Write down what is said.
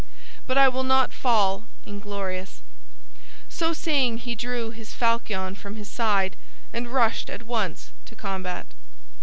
But I will not fall inglorious," So saying he drew his falchion from his side and rushed at once to combat.